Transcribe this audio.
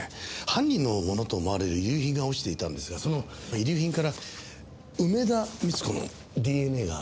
犯人のものと思われる遺留品が落ちていたんですがその遺留品から梅田三津子のＤＮＡが検出されたんです。